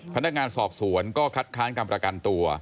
พนักงานสอบสวนก็คัดค้านการประกันตัว